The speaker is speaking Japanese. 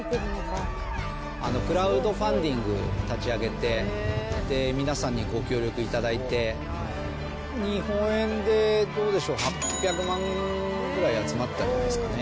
クラウドファンディング立ち上げて、皆さんにご協力いただいて、日本円で、どうでしょう、８００万ぐらい集まったんじゃないですかね。